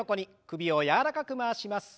首を柔らかく回します。